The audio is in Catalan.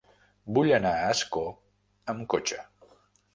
Vull anar a Ascó amb cotxe.